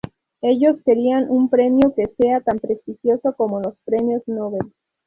Ellos querían un premio que sea tan prestigioso como los Premios Nobel.